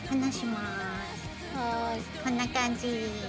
こんな感じ。